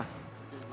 nggak ada apa apa